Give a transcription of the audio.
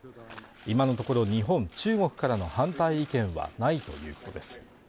今のところ日本、中国からの反対意見はないということです